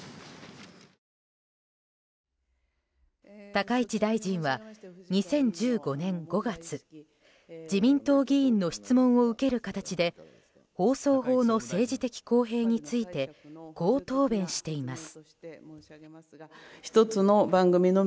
高市大臣は２０１５年５月自民党議員の質問を受ける形で放送法の政治的公平についてこう答弁しています。